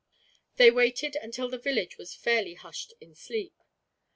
They waited until the village was fairly hushed in sleep.